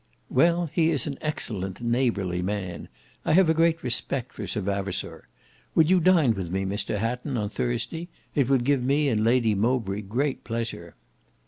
"Well, he is an excellent, neighbourly, man. I have a great respect for Sir Vavasour. Would you dine with me, Mr Hatton, on Thursday? It would give me and Lady de Mowbray great pleasure."